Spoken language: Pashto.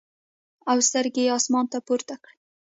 او سترګې ئې اسمان ته پورته کړې ـ